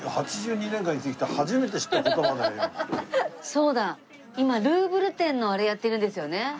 そうだ今ルーブル展のあれやってるんですよね？